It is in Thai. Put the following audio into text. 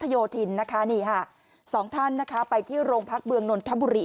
โยธินนะคะนี่ค่ะสองท่านนะคะไปที่โรงพักเมืองนนทบุรี